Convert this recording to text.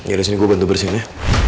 ya udah sini gue bantu bersihin ya